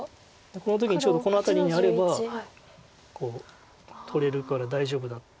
この時にちょうどこの辺りにあればこう取れるから大丈夫だっていうことなんですけど。